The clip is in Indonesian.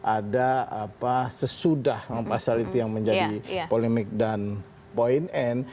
ada apa sesudah pasal itu yang menjadi polemik dan point and